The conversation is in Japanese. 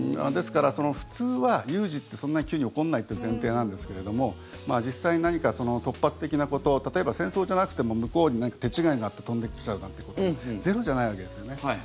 ですから、普通は有事ってそんなに急に起こんないという前提なんですけれども実際に何か突発的なこと例えば、戦争じゃなくても向こうに手違いがあって飛んできちゃうなんてこともゼロじゃないわけですよね。